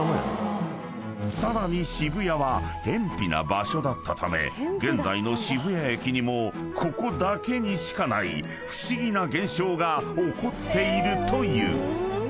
［さらに渋谷は辺ぴな場所だったため現在の渋谷駅にもここだけにしかない不思議な現象が起こっているという］